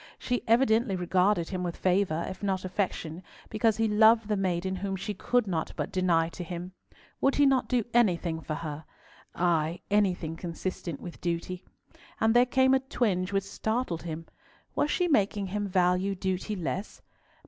She evidently regarded him with favour, if not affection, because he loved the maiden whom she could not but deny to him. Would he not do anything for her? Ay, anything consistent with duty. And there came a twinge which startled him. Was she making him value duty less?